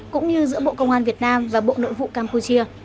cũng như giữa bộ công an việt nam và bộ nội vụ campuchia